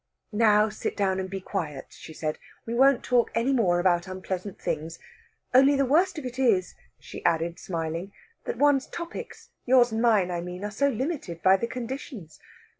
"Now sit down and be quiet," she said. "We won't talk any more about unpleasant things. Only the worst of it is," she added, smiling, "that one's topics yours and mine, I mean are so limited by the conditions.